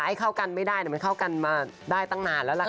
ให้เข้ากันไม่ได้มันเข้ากันมาได้ตั้งนานแล้วล่ะค่ะ